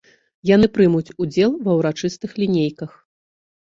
Яны прымуць удзел ва ўрачыстых лінейках.